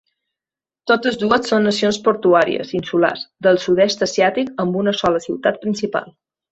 Totes dues són nacions portuàries insulars del sud-est asiàtic amb una sola ciutat principal.